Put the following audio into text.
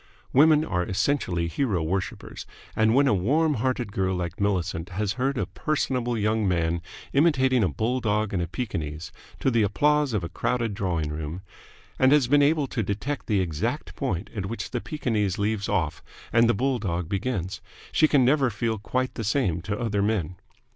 Women are essentially hero worshippers, and when a warm hearted girl like Millicent has heard a personable young man imitating a bulldog and a Pekingese to the applause of a crowded drawing room, and has been able to detect the exact point at which the Pekingese leaves off and the bulldog begins, she can never feel quite the same to other men.